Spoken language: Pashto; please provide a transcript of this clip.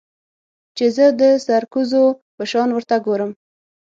چې زه د سرکوزو په شان ورته گورم.